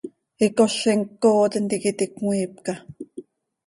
Icozim ccooo tintica iti cömiipca.